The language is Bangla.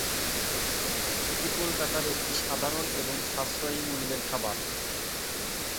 এটি কলকাতার একটি সাধারণ এবং সাশ্রয়ী মূল্যের খাবার।